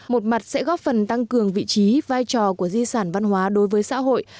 một mặt sẽ góp phần tăng cường vị trí vai trò của di sản văn hóa đối với xã hội